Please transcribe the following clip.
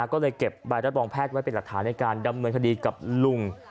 ก็เลยเก็บใบรับรองแพทย์ไว้เป็นหลักฐานในการดำเนินคดีกับลุง